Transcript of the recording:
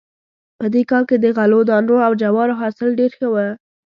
په دې کال کې د غلو دانو او جوارو حاصل ډېر ښه و